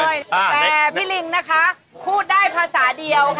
แต่พี่ลิงนะคะพูดได้ภาษาเดียวค่ะ